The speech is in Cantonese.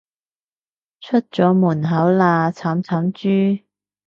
出咗門口喇，慘慘豬